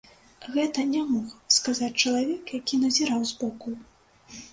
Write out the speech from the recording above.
Гэта не мог сказаць чалавек, які назіраў збоку.